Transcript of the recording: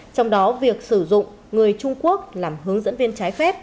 trong đó việc sử dụng người trung quốc làm hướng dẫn viên trái phép